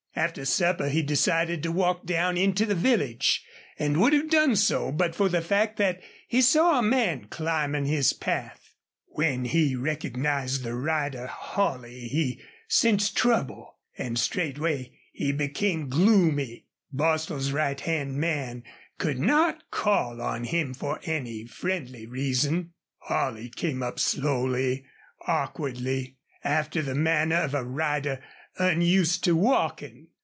After supper he decided to walk down into the village, and would have done so but for the fact that he saw a man climbing his path. When he recognized the rider Holley he sensed trouble, and straightway he became gloomy. Bostil's right hand man could not call on him for any friendly reason. Holley came up slowly, awkwardly, after the manner of a rider unused to walking.